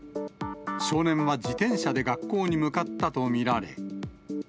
少年は自転車で学校に向かったと見られ。